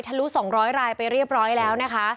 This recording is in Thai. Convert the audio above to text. ลุ๒๐๐รายไปเรียบร้อยแล้วนะคะ